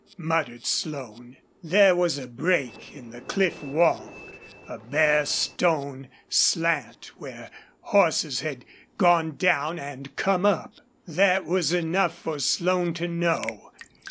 muttered Slone. There was a break in the cliff wall, a bare stone slant where horses had gone down and come up. That was enough for Slone to know.